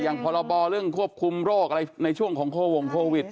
อย่างพรบรเรื่องควบคุมโรคอะไรในช่วงของโควิด๑๙